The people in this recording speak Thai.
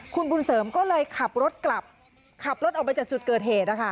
คุณบุญเสริมก็เลยขับรถกลับขับรถออกไปจากจุดเกิดเหตุนะคะ